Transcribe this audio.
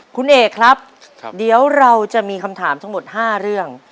คุณเอกครับเดี๋ยวเราจะมีคำถามทั้งหมด๕เรื่อง